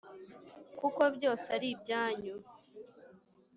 kuko byose ari ibyanyu